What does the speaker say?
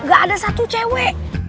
gak ada satu cewe